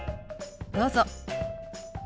どうぞ。